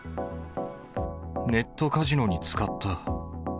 ネットカジノに使った。